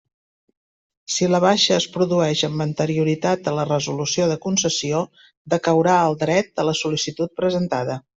Si la baixa es produeix amb anterioritat a la resolució de concessió, decaurà el dret a la sol·licitud presentada.